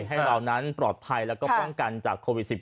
ให้เรานั้นปลอดภัยแล้วก็ป้องกันจากโควิด๑๙